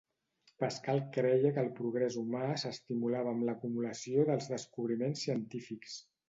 Pascal creia que el progrés humà s'estimulava amb l'acumulació dels descobriments científics.